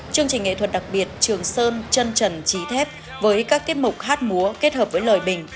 chương trình nghệ thuật đặc biệt trường sơn trân trần trí thép với các tiết mục hát múa kết hợp với lời bình